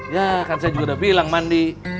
ya kan saya juga udah bilang mandi